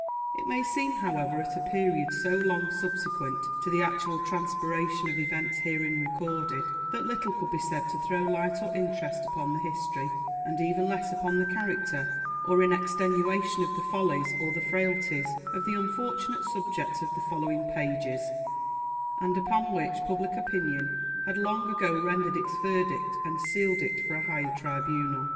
It may seem, however, at a period so long subsequent to the actual transpiration of events herein recorded, that little could be said to throw light or interest upon the history, and even less upon the character, or in extenuation of the follies or the frailties of the unfortunate subject of the following pages, and upon which public opinion had long ago rendered its verdict and sealed it for a higher tribunal.